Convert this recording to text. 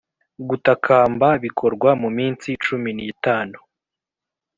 Gutakamba bikorwa mu minsi cumi n itanu